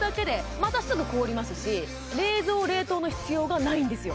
またすぐ凍りますし冷蔵・冷凍の必要がないんですよ